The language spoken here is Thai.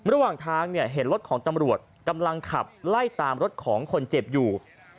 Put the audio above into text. ระหว่างทางเห็นรถของตำรวจกำลังขับไล่ตามรถของคนเจ็บอยู่